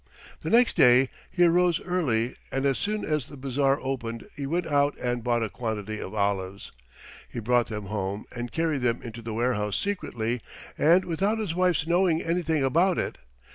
The next day he arose early and as soon as the bazaar opened he went out and bought a quantity of olives. He brought them home and carried them into the warehouse secretly, and without his wife's knowing anything about it.